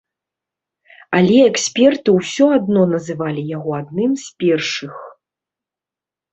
Але эксперты ўсё адно называлі яго адным з першых.